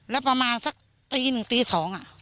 แล้วประมาณสักตีหนึ่งตีสอง